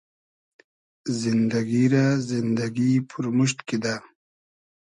زیندئگی رۂ زیندئگی پورمورشت کیدۂ